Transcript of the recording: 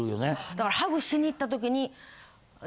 だからハグしにいった時に。